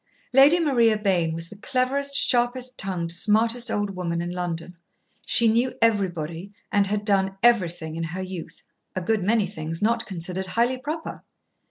Lady Maria Bayne was the cleverest, sharpest tongued, smartest old woman in London. She knew everybody and had done everything in her youth, a good many things not considered highly proper.